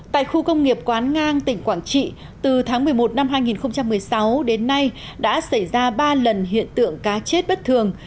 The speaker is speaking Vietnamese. tại khu công nghiệp quán ngang tỉnh quảng trị từ tháng một mươi một năm hai nghìn một mươi sáu đến nay đã xảy ra ba lần hiện tượng cá chết bất thường